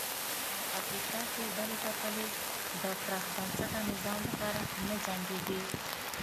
په افریقا کې ډلې ټپلې د پراخ بنسټه نظام لپاره نه جنګېدې.